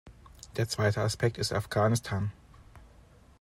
Der zweite Aspekt ist Afghanistan.